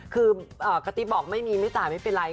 คือกระติ๊บบอกไม่มีไม่จ่ายไม่เป็นไร